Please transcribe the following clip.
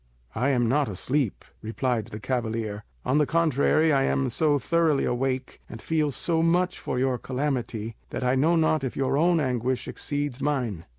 "I am not asleep," replied the cavalier; "on the contrary, I am so thoroughly awake, and feel so much for your calamity, that I know not if your own anguish exceeds mine.